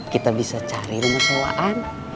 kita bisa cari rumah sewaan